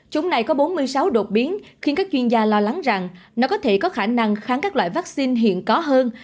chúng này có bốn mươi sáu đột biến khiến các chuyên gia lo lắng rằng nó có thể có khả năng kháng các loại vaccine hiện có hơn